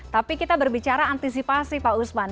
tapi kita berbicara antisipasi pak usman